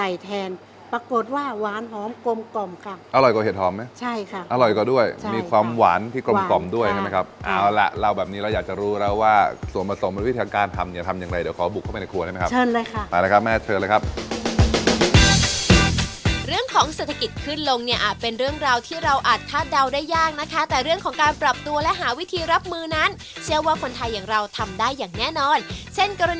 อยากจะรู้แล้วว่าส่วนมาส่งเป็นวิธีทางการทำเนี้ยทำอย่างไรเดี๋ยวขอบุกเข้าไปในครัวได้ไหมครับเชิญเลยค่ะไปแล้วครับแม่เชิญเลยครับเรื่องของเศรษฐกิจขึ้นลงเนี้ยอ่ะเป็นเรื่องราวที่เราอาจคาดเดาได้ยากนะคะแต่เรื่องของการปรับตัวและหาวิธีรับมือนั้นเชื่อว่าคนไทยอย่างเราทำได้อย่างแน่นอนเช่นกร